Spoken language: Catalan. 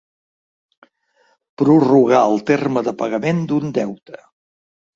Prorrogar el terme de pagament d'un deute.